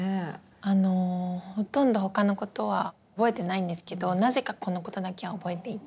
あのほとんど他のことは覚えてないんですけどなぜかこのことだけは覚えていて。